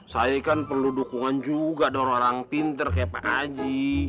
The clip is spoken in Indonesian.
saya kan perlu dukungan juga dari orang pintar kayak pak haji